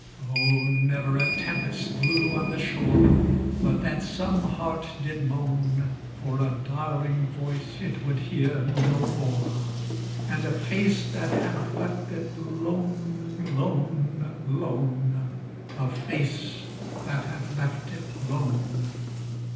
Oh! never a tempest blew on the shore But that some heart did moan For a darling voice it would hear no more And a face that had left it lone, lone, lone A face that had left it lone!